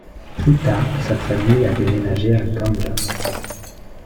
Plus tard sa famille a déménagé à Gandja.